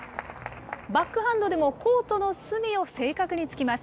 バックハンドでもコートの隅を正確に突きます。